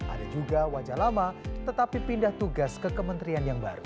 ada juga wajah lama tetapi pindah tugas ke kementerian yang baru